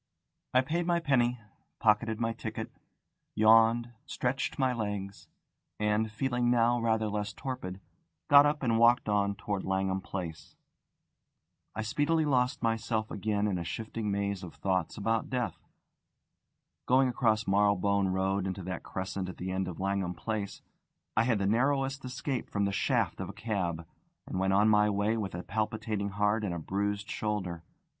I paid my penny, pocketed my ticket, yawned, stretched my legs, and, feeling now rather less torpid, got up and walked on towards Langham Place. I speedily lost myself again in a shifting maze of thoughts about death. Going across Marylebone Road into that crescent at the end of Langham Place, I had the narrowest escape from the shaft of a cab, and went on my way with a palpitating heart and a bruised shoulder.